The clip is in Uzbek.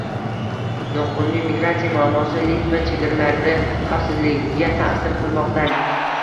Noqonuniy migratsiya muammosi Litva chegaralari xavfsizligiga ta’sir qilmoqdang